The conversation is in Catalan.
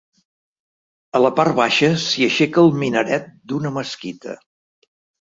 A la part baixa s'hi aixeca el minaret d'una mesquita.